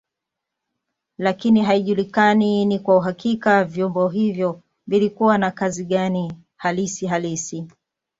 Lakini haijulikani kwa uhakika vyombo hivyo vilikuwa na kazi gani hali halisi.